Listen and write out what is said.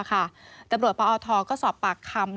กระบวนประอทธรกษ์ก็สอบปากคำ